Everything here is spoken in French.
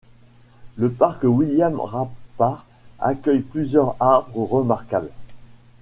Le parc William-Rappard accueille plusieurs arbres remarquables.